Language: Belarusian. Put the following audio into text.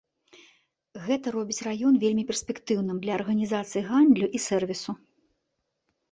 Гэта робіць раён вельмі перспектыўным для арганізацый гандлю і сэрвісу.